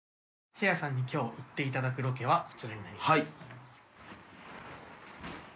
せいやさんにきょう、行っていただくロケはこちらになります。